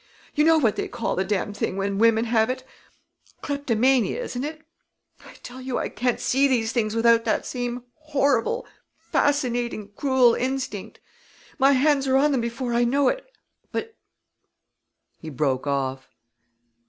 You know what they call the damned thing when women have it kleptomania, isn't it? I tell you I can't see these things without that same horrible, fascinating, cruel instinct! My hands are on them before I know it. But " he broke off.